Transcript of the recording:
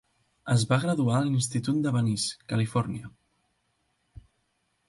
Es va graduar a l'institut de Venice, Califòrnia.